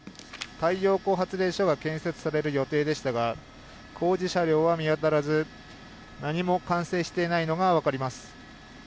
太陽光発電所が建設される予定でしたが工事車両は見当たらず何も完成していないのがわかります。